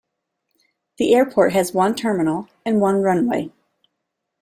The airport has one terminal and one runway.